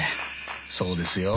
そうですよ。